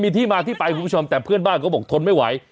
มีที่มาที่ไปคุณผู้ชมแต่เพื่อนบ้านเขาบอกทนไม่ไหว